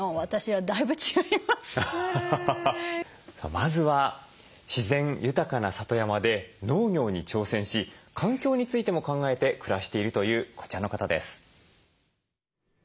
まずは自然豊かな里山で農業に挑戦し環境についても考えて暮らしているというこちらの方です。